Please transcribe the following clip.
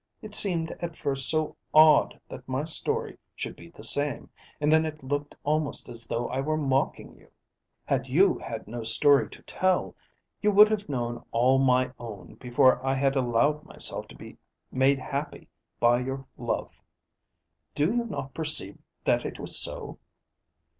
It seemed at first so odd that my story should be the same, and then it looked almost as though I were mocking you. Had you had no story to tell, you would have known all my own before I had allowed myself to be made happy by your love. Do you not perceive that it was so?"